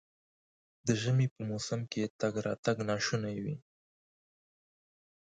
د ژمي په موسم کې تګ راتګ ناشونی وي.